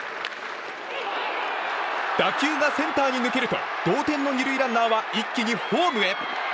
打球がセンターに抜けると同点の２塁ランナーは一気にホームへ。